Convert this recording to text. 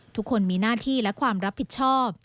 ทุกคนมีหน้าที่และความรับผิดชอบ